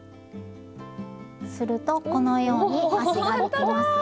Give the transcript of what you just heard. するとこのように足ができますよ。